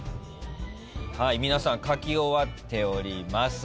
皆さん書き終わっております。